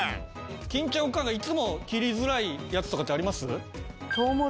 金ちゃんおかんがいつも切りづらいやつとかってあります？